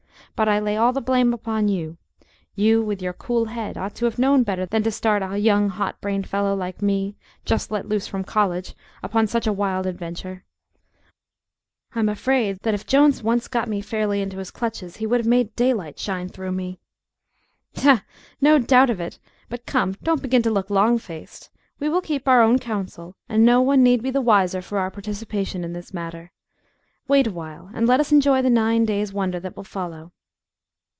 But I lay all the blame upon you. You, with your cool head, ought to have known better than to start a young hot brained fellow like me, just let loose from college, upon such a wild adventure. I'm afraid that if Jones had once got me fairly into his clutches, he would have made daylight shine through me." "Ha! ha! No doubt of it. But come, don't begin to look long faced. We will keep our own counsel, and no one need be the wiser for our participation in this matter. Wait a while, and let us enjoy the nine days' wonder that will follow."